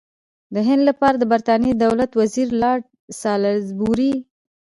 د هند لپاره د برټانیې د دولت وزیر لارډ سالیزبوري.